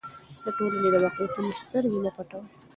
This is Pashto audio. د ټولنې له واقعیتونو سترګې مه پټوئ.